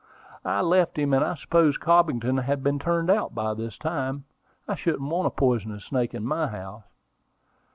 I left him; and I suppose Cobbington has been turned out by this time. I shouldn't want a poisonous snake in my house."